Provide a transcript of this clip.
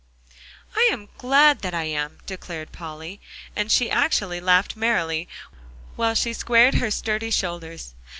"I'm glad I am," declared Polly. And she actually laughed merrily, while she squared her sturdy shoulders.